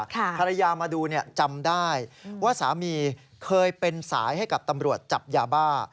ภรรยามาดูเนี่ยจำได้ว่าสามีเคยเป็นสายให้กับตำรวจจับยาบ้า